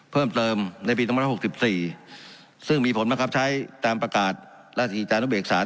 เพิ่มเติมในปี๒๐๖๔ซึ่งมีผลบังคับใช้ตามประกาศราชกิจจานุเบกษา